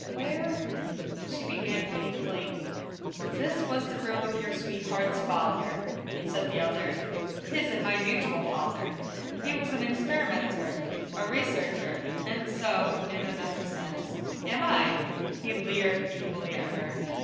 "Where " she began faintly. "This was the room of your sweetheart's father," said the other. "His and my mutual father. He was an experimenter, a researcher, and so, in another sense, am I!" He leered evilly at her.